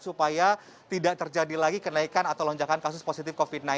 supaya tidak terjadi lagi kenaikan atau lonjakan kasus positif covid sembilan belas